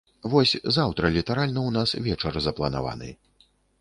Вось, заўтра літаральна ў нас вечар запланаваны.